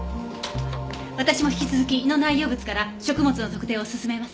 私も引き続き胃の内容物から食物の特定を進めます。